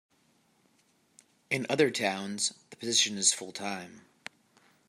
In other towns, the position is full-time.